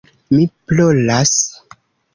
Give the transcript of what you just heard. Mi ploras.